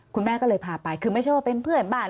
คุณแม่ก็เลยพาไปคือไม่ใช่ว่าเป็นเพื่อนบ้าน